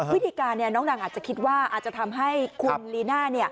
วิธีการน้องนางอาจจะคิดว่าอาจจะทำให้คุณลีน่า